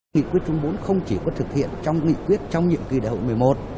nghị quyết trung bốn không chỉ có thực hiện trong nghị quyết trong nhiệm kỳ đại hội một mươi một